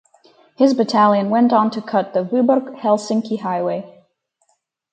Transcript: His battalion went on to cut the Vyborg–Helsinki highway.